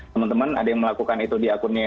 teman teman ada yang melakukan itu di akunnya